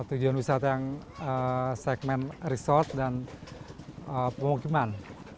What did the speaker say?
tujuan wisata yang segmen resort dan pemukiman